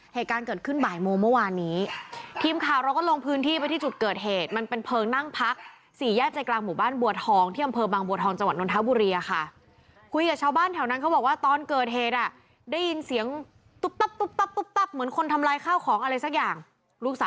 เหตุการณ์เกิดขึ้นบ่ายโมงเมื่อวานนี้ทีมข่าวเราก็ลงพื้นที่ไปที่จุดเกิดเหตุมันเป็นเพลิงนั่งพักสี่แยกใจกลางหมู่บ้านบัวทองที่อำเภอบางบัวทองจังหวัดนทบุรีอะค่ะคุยกับชาวบ้านแถวนั้นเขาบอกว่าตอนเกิดเหตุอ่ะได้ยินเสียงตุ๊บตับตุ๊บตับตุ๊บตับเหมือนคนทำลายข้าวของอะไรสักอย่างลูกสาว